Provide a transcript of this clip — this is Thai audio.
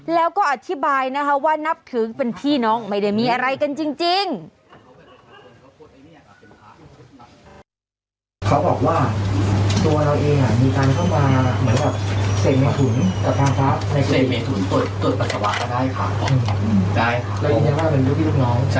แล้วก็อธิบายนะคะว่านับถือเป็นพี่น้องไม่ได้มีอะไรกันจริง